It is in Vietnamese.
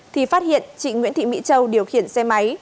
thì phát hiện chị nguyễn thị mỹ châu điều khiển xe máy